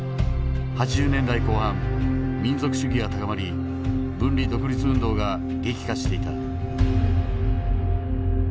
８０年代後半民族主義が高まり分離独立運動が激化していた。